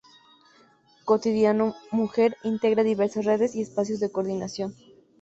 Cotidiano Mujer integra diversas redes y espacios de coordinación.